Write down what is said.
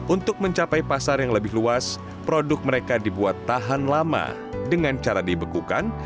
untuk mencapai pasar yang lebih luas produk mereka dibuat tahan lama dengan cara dibekukan